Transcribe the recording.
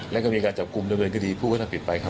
แล้วก็มีการจับกลุ่มดำเนินคดีผู้กระทำผิดไปครับ